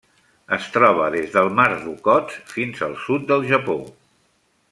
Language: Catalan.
Es troba des del Mar d'Okhotsk fins al sud del Japó.